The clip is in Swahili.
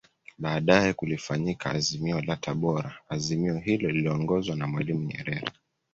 Baadae kulifanyika Azimio la Tabora Azimio hilo liliongozwa na Mwalimu Nyerere